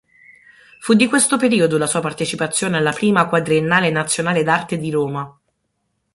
Fu di questo periodo la sua partecipazione alla I Quadriennale nazionale d'arte di Roma.